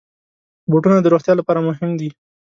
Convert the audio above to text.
بوټونه د روغتیا لپاره مهم دي.